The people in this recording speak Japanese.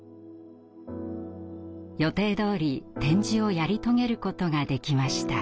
予定どおり展示をやり遂げることができました。